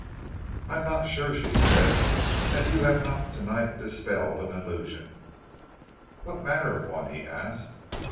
"I am not sure," she said, "that you have not to night dispelled an illusion." "What manner of one?" he asked.